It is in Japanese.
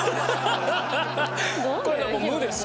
これもう無です。